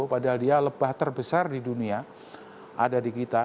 padahal dia lebah terbesar di dunia ada di kita